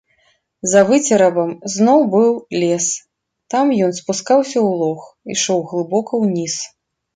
За выцерабам зноў быў лес, там ён спускаўся ў лог, ішоў глыбока ўніз.